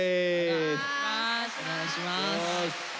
お願いします。